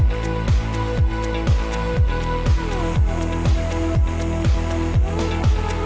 ไม่กินของมันหล่ะหล่อยังห่วงกันก็น้ำลารับพี่ก้าว